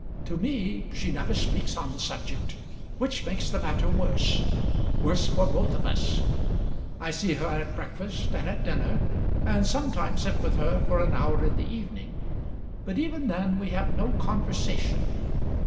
To me she never speaks on the subject, which makes the matter worse worse for both of us. I see her at breakfast and at dinner, and sometimes sit with her for an hour in the evening; but even then we have no conversation.